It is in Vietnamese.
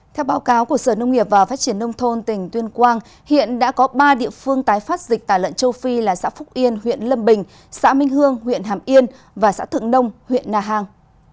theo báo cáo của sở nông nghiệp và phát triển nông thôn tỉnh tuyên quang hiện đã có ba địa phương tái phát dịch tả lợn châu phi là xã phúc yên huyện lâm bình xã minh hương huyện hàm yên và xã thượng nông huyện na hàng